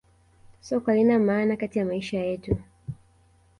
Soka halina maana katika maisha yetu